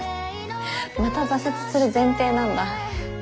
また挫折する前提なんだ。